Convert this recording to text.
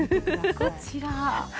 こちら。